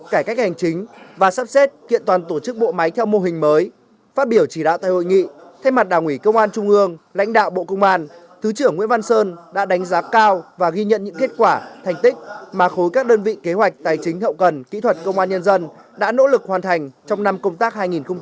cải cách hành chính và sắp xếp kiện toàn tổ chức bộ máy theo mô hình mới phát biểu chỉ đạo tại hội nghị thay mặt đảng ủy công an trung ương lãnh đạo bộ công an thứ trưởng nguyễn văn sơn đã đánh giá cao và ghi nhận những kết quả thành tích mà khối các đơn vị kế hoạch tài chính hậu cần kỹ thuật công an nhân dân đã nỗ lực hoàn thành trong năm công tác hai nghìn hai mươi bốn